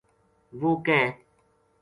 وہ ک